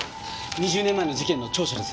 ２０年前の事件の調書です。